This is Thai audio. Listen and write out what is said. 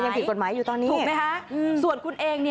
ยังผิดกฎหมายอยู่ตอนนี้ถูกไหมคะส่วนคุณเอง